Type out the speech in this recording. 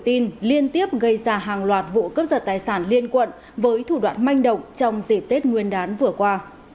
tin liên tiếp gây ra hàng loạt vụ cướp giật tài sản liên quận với thủ đoạn manh động trong dịp tết nguyên đán vừa qua